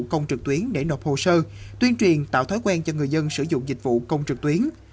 công trực tuyến để nộp hồ sơ tuyên truyền tạo thói quen cho người dân sử dụng dịch vụ công trực tuyến